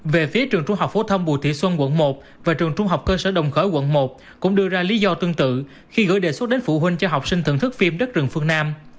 về phía trường trung học phổ thông bùi thị xuân quận một và trường trung học cơ sở đồng khởi quận một cũng đưa ra lý do tương tự khi gửi đề xuất đến phụ huynh cho học sinh thưởng thức phim đất rừng phương nam